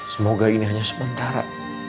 semoga ini hanya sementara